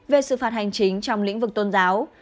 về sự phạt hành chính trong lĩnh vực tôn giáo